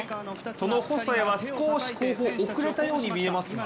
その細谷は少し後方、遅れたように見えますが？